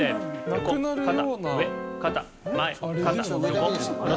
「横肩上肩前肩横下ろす」